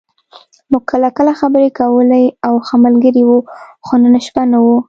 موږ کله کله خبرې کولې او ښه ملګري وو، خو نن شپه نه و.